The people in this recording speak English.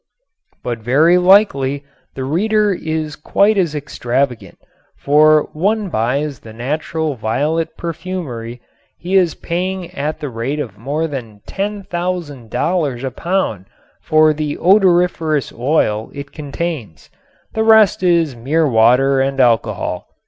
But very likely the reader is quite as extravagant, for when one buys the natural violet perfumery he is paying at the rate of more than $10,000 a pound for the odoriferous oil it contains; the rest is mere water and alcohol.